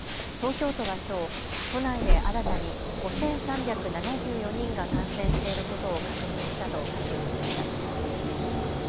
東京都はきょう都内で新たに５３７４人が感染していることを確認したと発表しました。